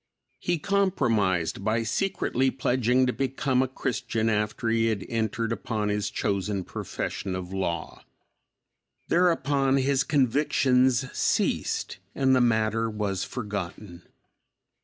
He compromised by secretly pledging to become a Christian after he had entered upon his chosen profession of law. Thereupon his convictions ceased and the matter was forgotten.